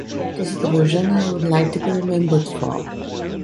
This is the version I would like to be remembered for.